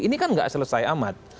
ini kan nggak selesai amat